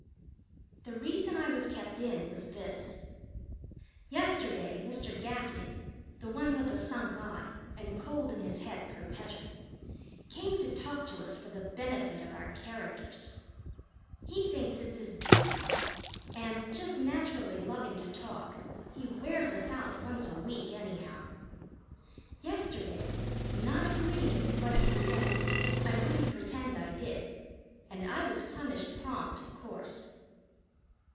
The reason I was kept in was this. Yesterday Mr. Gaffney, the one with a sunk eye and cold in his head perpetual, came to talk to us for the benefit of our characters. He thinks it's his duty, and, just naturally loving to talk, he wears us out once a week anyhow. Yesterday, not agreeing with what he said, I wouldn't pretend I did, and I was punished prompt, of course.